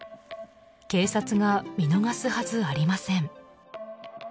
警察が見逃すはずありません。